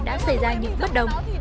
đã xảy ra những bất đồng